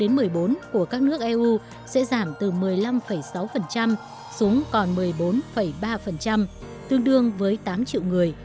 đến năm hai nghìn ba mươi số trẻ trong độ tuổi từ đến một mươi bốn của các nước eu sẽ giảm từ một mươi năm sáu xuống còn một mươi bốn ba tương đương với tám triệu người